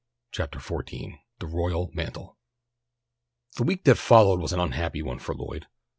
CHAPTER XIV THE ROYAL MANTLE THE week that followed was an unhappy one for Lloyd.